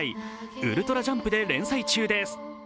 「ウルトラジャンプ」で連載中です。